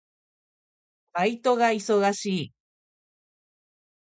バイトが忙しい。